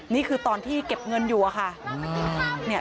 นี่คือตอนที่เก็บเงินอยู่อะค่ะ